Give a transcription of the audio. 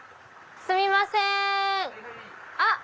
すみません！